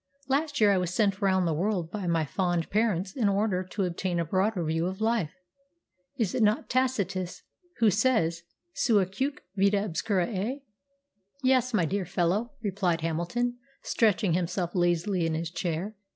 Last year I was sent round the world by my fond parents in order to obtain a broader view of life. Is it not Tacitus who says, 'Sua cuique vita obscura est'?" "Yes, my dear fellow," replied Hamilton, stretching himself lazily in his chair.